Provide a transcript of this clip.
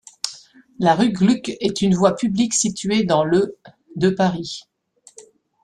La rue Gluck est une voie publique située dans le de Paris.